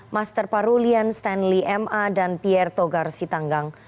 master parulian stanley ma dan pier togar sitanggang